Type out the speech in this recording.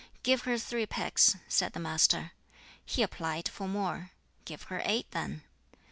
"Give her three pecks," said the Master. He applied for more. "Give her eight, then."